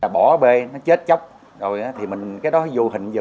bỏ bê chết chóc rồi cái đó vô hình giờ mình đâu có tính được những cái qua nó đã chết hết rồi